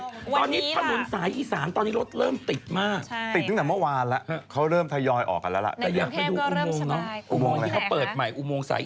ตัวกลับแล้วคุณแม่รถติดรถติดวันนี้ตอนนี้ผนุนสายอีก